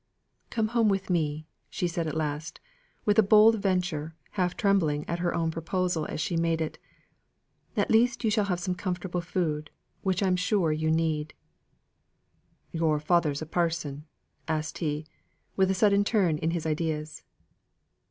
"Come home with me," said she at last, with a bold venture, half trembling at her own proposal as she made it. "At least you shall have some comfortable food, which I'm sure you need." "Yo'r father's a parson?" asked he, with a sudden turn in his ideas.